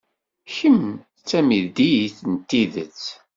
Kemm d tamidit n tidet.